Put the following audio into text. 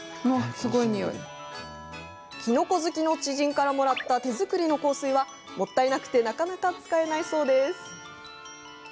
キノコ好きの知人からもらった手作りの香水は、もったいなくてなかなか使えないそうです。